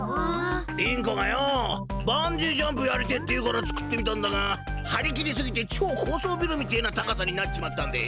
りん子がよぉバンジージャンプやりてえって言うから作ってみたんだがはり切りすぎて超高層ビルみてえな高さになっちまったんでい。